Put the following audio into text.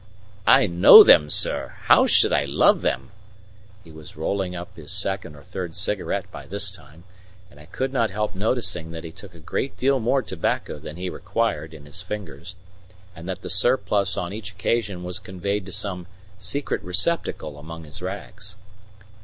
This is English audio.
"I know them, sir how should I love them?" He was rolling up his second or third cigarette by this time, and I could not help noticing that he took a great deal more tobacco than he required in his fingers, and that the surplus on each occasion was conveyed to some secret receptacle among his rags.